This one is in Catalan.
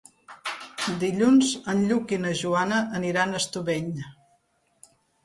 Dilluns en Lluc i na Joana aniran a Estubeny.